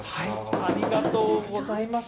ありがとうございます。